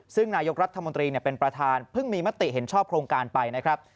ซึ่งนายกรัฐมนตรีเป็นประธานเพิ่งมีมติเห็นชอบโครงการไปนะครับ